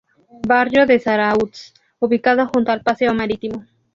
Barrio de Zarautz ubicado junto al paseo marítimo.